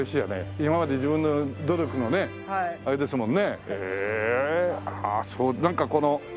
今まで自分の努力のねあれですもんね。